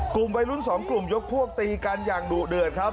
กลุ่มวัยรุ่นสองกลุ่มยกพวกตีกันอย่างดุเดือดครับ